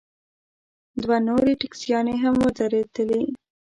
دوه نورې ټیکسیانې هم ودرېدلې.